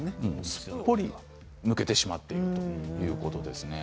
すっぽり抜けてしまうということです。